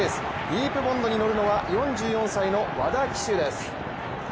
ディープボンドに乗るのは４４歳の和田騎手です。